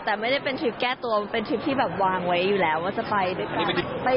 แต่ไม่ได้เป็นทริปแก้ตัวมันเป็นทริปที่แบบวางไว้อยู่แล้วว่าจะไปหรือเปล่า